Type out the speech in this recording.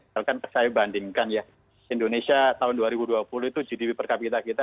bahkan saya bandingkan ya indonesia tahun dua ribu dua puluh itu gdp per kapita kita